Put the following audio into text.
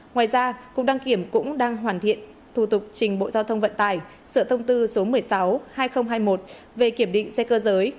ngoài ra cục đăng kiểm cũng đang hoàn thiện thủ tục trình bộ giao thông vận tải sửa thông tư số một mươi sáu hai nghìn hai mươi một về kiểm định xe cơ giới